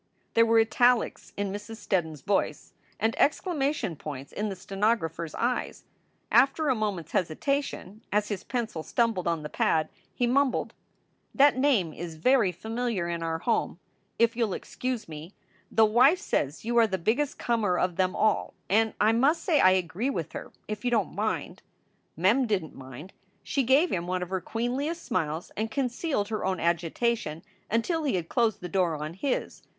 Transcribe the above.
There were italics in Mrs. Steddon s voice and exclamation points in the stenographer s eyes. After a moment s hesi tation, as his pencil stumbled on the pad, he mumbled: "That name is very familiar in our home, if you ll excuse 382 SOULS FOR SALE me. The wife says you are the biggest comer of them all, and I must say I agree with her, if you don t mind." Mem didn t mind. She gave him one of her queenliest smiles, and concealed her own agitation until he had closed the door on his.